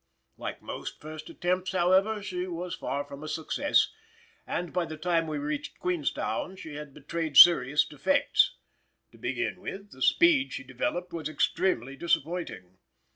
Like most first attempts, however, she was far from a success, and by the time we reached Queenstown she had betrayed serious defects. To begin with, the speed she developed was extremely disappointing.